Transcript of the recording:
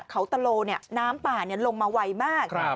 เขาตะโลน้ำป่าลงมาไวมาก